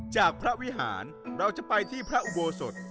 จากพระวิหารเราจะไปที่พระอุโบสถ